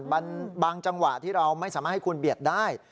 บางจังหวะที่เราไม่สามารถให้คุณเบียดได้